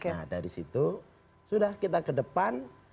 nah dari situ sudah kita ke depan